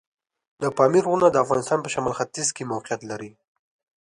د پامیر غرونه د افغانستان په شمال ختیځ کې موقعیت لري.